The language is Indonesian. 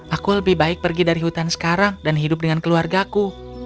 aku lebih baik pergi dari hutan sekarang dan hidup dengan keluargaku